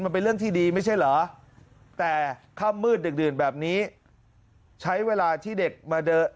มันเป็นเรื่องที่ดีไม่ใช่เหรอแต่ค่ำมืดดึกดื่นแบบนี้ใช้เวลาที่เด็กมาเดิน